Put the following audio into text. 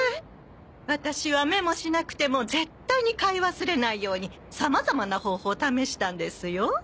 ワタシはメモしなくても絶対に買い忘れないようにさまざまな方法を試したんですよ。